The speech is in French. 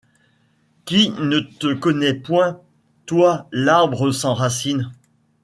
Qui ne te connaît point, toi l'arbre sans racine